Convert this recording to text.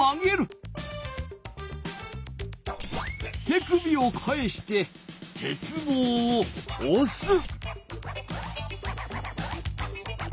手首を返して鉄棒をおす。